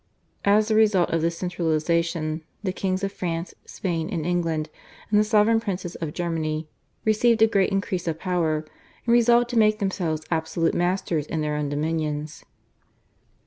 As a result of this centralisation the Kings of France, Spain, and England, and the sovereign princes of Germany received a great increase of power, and resolved to make themselves absolute masters in their own dominions.